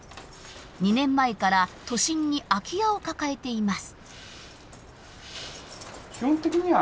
２年前から都心に空き家を抱えています。